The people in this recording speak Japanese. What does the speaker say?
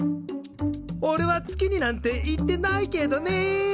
おれは月になんて行ってないけどね！